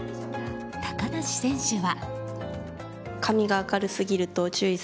高梨選手は。